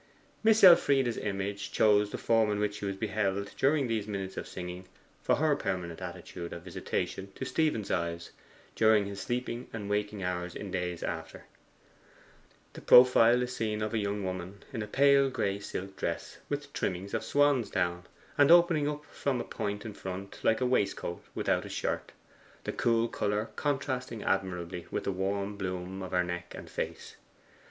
Miss Elfride's image chose the form in which she was beheld during these minutes of singing, for her permanent attitude of visitation to Stephen's eyes during his sleeping and waking hours in after days. The profile is seen of a young woman in a pale gray silk dress with trimmings of swan's down, and opening up from a point in front, like a waistcoat without a shirt; the cool colour contrasting admirably with the warm bloom of her neck and face.